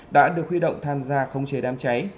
đã được huy động tham gia khống chế đám cháy